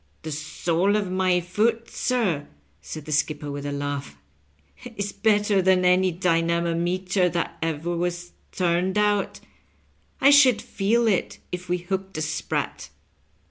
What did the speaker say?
" The sole of my foot, sir," said the skipper with a laugh, " is better than any dynamometer that ever was tume<i out. I should feel it if we hooked a sprat."